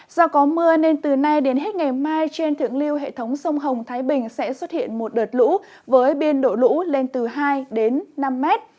do có mưa nên từ nay đến hết ngày mai trên thượng lưu hệ thống sông hồng thái bình sẽ xuất hiện một đợt lũ với biên độ lũ lên từ hai đến năm mét